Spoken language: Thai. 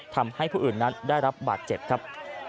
ทำให้ผู้อื่นนั้นได้รับบาดเจ็บครับ